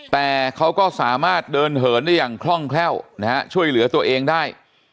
แต่เขาก็สามารถเดินเหินได้อย่างคล่องแคล่วนะฮะช่วยเหลือตัวเองได้